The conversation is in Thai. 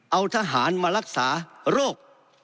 เอาทหารมารักษาโรค